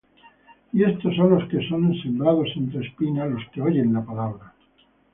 Y éstos son los que son sembrados entre espinas: los que oyen la palabra;